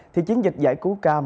thì chiến dịch giải cứu cam